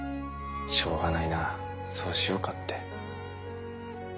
しようがないなそうしようかって。